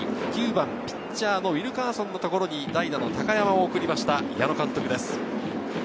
９番・ピッチャー、ウィルカーソンのところに代打・高山を送りました矢野監督です。